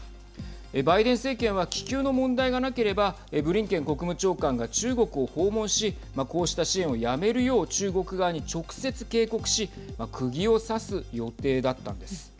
バイデン政権は気球の問題がなければブリンケン国務長官が中国を訪問しまあ、こうした支援をやめるよう中国側に直接警告しくぎを刺す予定だったんです。